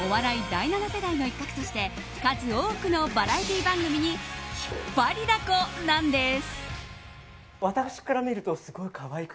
第７世代の一角として数多くのバラエティー番組に引っ張りだこなんです。